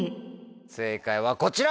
正解はこちら。